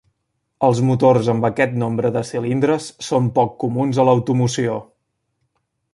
Els motors amb aquest nombre de cilindres són poc comuns a l'automoció.